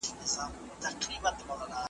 په ایرو کي ګوتي مه وهه اور به پکښې وي .